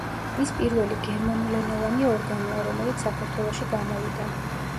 ის პირველი გერმანულენოვანი ორგანოა, რომელიც საქართველოში გამოვიდა.